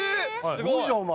すごいじゃんお前。